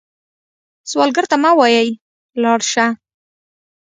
سوالګر ته مه وايئ “لاړ شه”